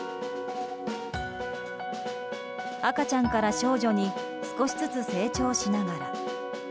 赤ちゃんから少女に少しずつ成長しながら。